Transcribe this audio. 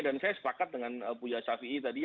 dan saya sepakat dengan bu yasafi ini tadi